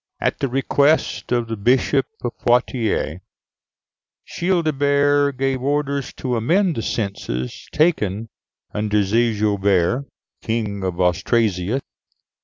At the request of the Bishop of Poitiers, Childebert gave orders to amend the census taken under Sigebert, King of Austrasia.